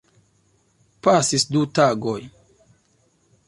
Pasis du tagoj.